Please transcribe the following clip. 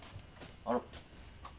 あの。